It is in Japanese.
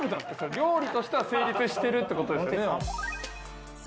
料理としては成立してるってことですよね？